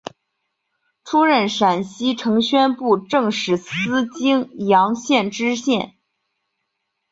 出任陕西承宣布政使司泾阳县知县。